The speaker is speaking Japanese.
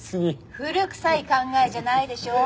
古臭い考えじゃないでしょ。